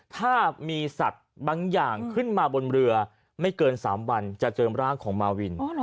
ถ้ามีสัตว์บางอย่างขึ้นมาบนเรือไม่เกิน๓วันจะเจอร่างของมาวิน